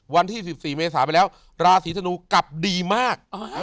วันที่๑๔เมษาไปแล้วราศีธนูกลับดีมาก